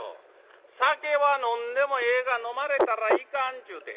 『酒は飲んでもええが飲まれたらいかん』ちゅうて。